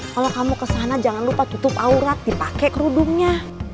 kalau kamu kesana jangan lupa tutup aurat dipakai kerudungnya